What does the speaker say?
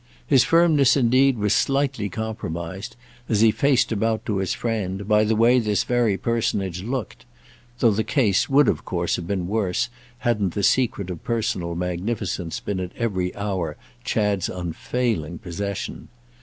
His firmness indeed was slightly compromised, as he faced about to his friend, by the way this very personage looked—though the case would of course have been worse hadn't the secret of personal magnificence been at every hour Chad's unfailing possession.